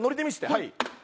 はい。